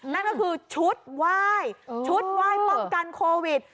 นั่นก็คือชุดไหว้ชุดไหว้ป้องกันโควิด